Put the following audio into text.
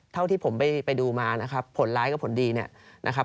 เท่าที่ผมไปดูมานะครับผลร้ายกับผลดีเนี่ยนะครับ